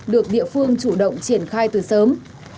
được địa phương chủ động triển khai từ sớm